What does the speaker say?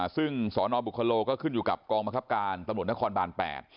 ซึ่งสนบุคโลก็ขึ้นอยู่กับกองบังคับการตำรวจนครบาน๘